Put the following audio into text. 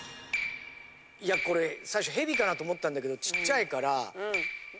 いやこれ最初ヘビかなと思ったんだけどちっちゃいから。